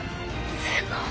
すごい。